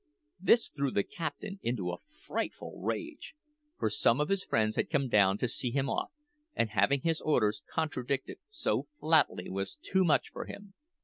This threw the captain into a frightful rage; for some of his friends had come down to see him off, and having his orders contradicted so flatly was too much for him.